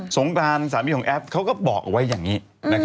งกรานสามีของแอฟเขาก็บอกเอาไว้อย่างนี้